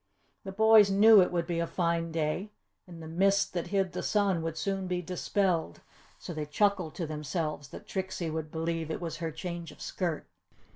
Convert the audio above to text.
The boys knew it would be a fine day, and the mist that hid the sun would soon be dispelled, so they chuckled to themselves that Trixie would believe it was her change of skirt.